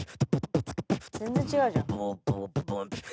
全然違うじゃん。